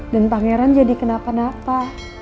dan pangeran jadi kenapa napa